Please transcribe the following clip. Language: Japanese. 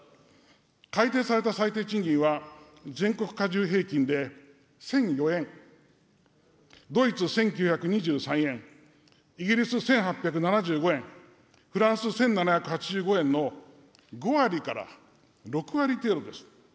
改定された最低賃金は、全国加重平均で１００４円、ドイツ１９２３円、イギリス１８７５円、フランス１７８５円の５割から６割程度です。